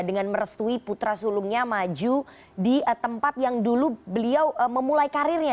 dengan merestui putra sulungnya maju di tempat yang dulu beliau memulai karirnya